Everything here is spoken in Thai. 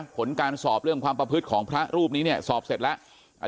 ผลการสอบเรื่องความประพฤติของพระรูปนี้เนี่ยสอบเสร็จแล้ว